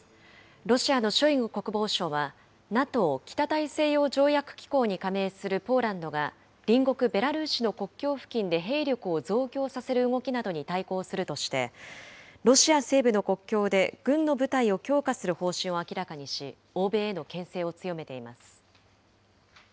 ロシアのショイグ国防相は、ＮＡＴＯ・北大西洋条約機構に加盟するポーランドが、隣国ベラルーシの国境付近で兵力を増強させる動きなどに対抗するとして、ロシア西部の国境で軍の部隊を強化する方針を明らかにし、欧米へのけん制を強めています。